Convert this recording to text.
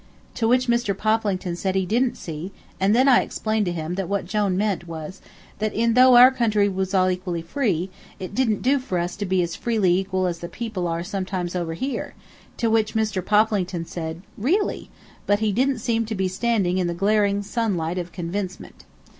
To which Mr. Poplington said he didn't see, and then I explained to him that what Jone meant was that though in our country we was all equally free, it didn't do for us to be as freely equal as the people are sometimes over here, to which Mr. Poplington said, "Really!" but he didn't seem to be standing in the glaring sunlight of convincement.